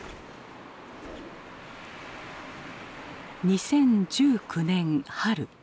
２０１９年春。